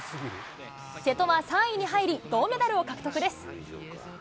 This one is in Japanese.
瀬戸は３位に入り、銅メダルを獲得です。